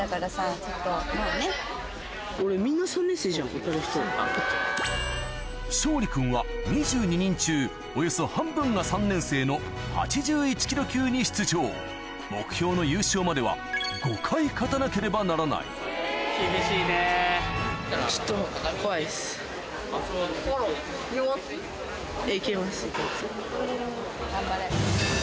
迎えた昇利くんは２２人中およそ半分が３年生の８１ｋｇ級に出場目標の優勝までは５回勝たなければならない頑張れ。